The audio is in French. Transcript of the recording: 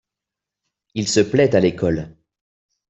Il se plait à l'école ?